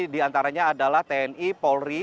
di antaranya adalah tni polri